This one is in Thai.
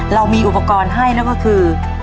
เรามีอุปกรณ์ให้นั่นก็คือ